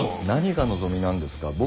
何が望みなんですか？